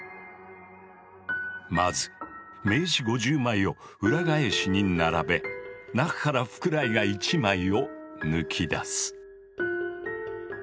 まず名刺５０枚を裏返しに並べ中から福来が１枚を抜き出す。